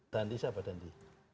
dandi siapa dandi